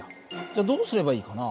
じゃどうすればいいかな？